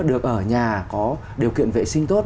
được ở nhà có điều kiện vệ sinh tốt